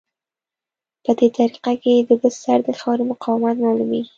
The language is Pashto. په دې طریقه کې د بستر د خاورې مقاومت معلومیږي